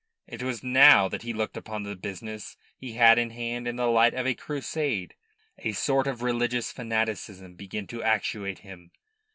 It was now that he looked upon the business he had in hand in the light of a crusade; a sort of religious fanaticism began to actuate him.